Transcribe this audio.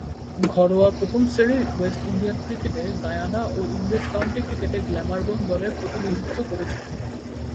ঘরোয়া প্রথম-শ্রেণীর West Indian ক্রিকেটে গায়ানা ও ইংরেজ কাউন্টি ক্রিকেটে গ্ল্যামারগন দলের প্রতিনিধিত্ব করেছেন।